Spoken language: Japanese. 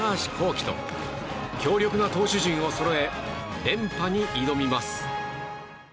稀と強力な投手陣をそろえ連覇に挑みます。